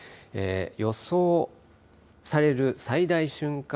予想される最大瞬間